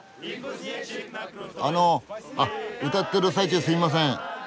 あのあっ歌ってる最中すいません。